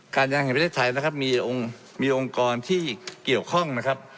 การยางแห่งประเทศไทยนะครับมีองค์กรที่เกี่ยวข้องนะครับ